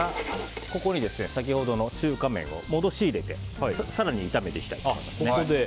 ここに先ほどの中華麺を戻し入れて更に炒めていきたいと思います。